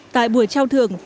tại buổi trao thưởng